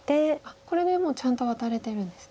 これでもうちゃんとワタれてるんですね。